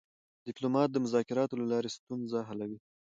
ډيپلومات د مذاکراتو له لارې ستونزې حلوي.